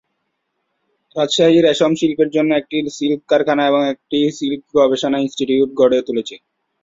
রাজশাহী রেশম শিল্পের জন্য একটি সিল্ক কারখানা এবং একটি সিল্ক গবেষণা ইনস্টিটিউট গড়ে তুলেছে।